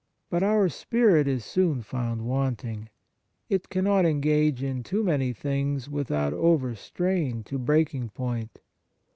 But our spirit is soon found wanting ; it cannot engage in too many things without overstrain to breaking point.